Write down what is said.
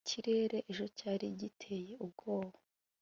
ikirere ejo cyari giteye ubwoba